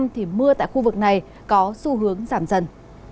thì mưa tại khu vực này có xu hướng giảm dần